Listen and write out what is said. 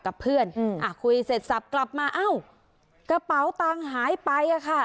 กับเพื่อนอืมอ่ะคุยเสร็จสับกลับมาเอ้ากระเป๋าตังค์หายไปอ่ะค่ะ